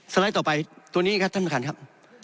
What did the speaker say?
ไลด์ต่อไปตัวนี้ครับท่านประธานครับ